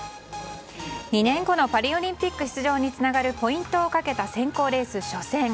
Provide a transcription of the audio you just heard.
２年後のパリオリンピック出場につながるポイントをかけた選考レース初戦。